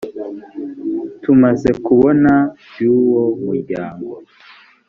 tumaze kubona by’uwo muryango